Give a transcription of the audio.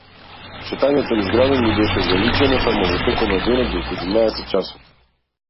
Шетањето низ градот ни беше ограничено само во текот на денот до седумнаесет часот.